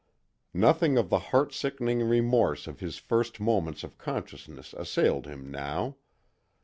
Nothing of the heart sickening remorse of his first moments of consciousness assailed him now.